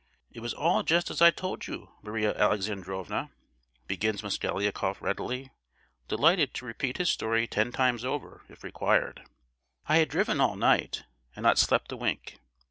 It was all just as I told you, Maria Alexandrovna!" begins Mosgliakoff readily—delighted to repeat his story ten times over, if required—"I had driven all night, and not slept a wink.